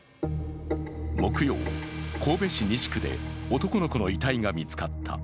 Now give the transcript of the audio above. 木曜、神戸市西区で男の子の遺体が見つかった。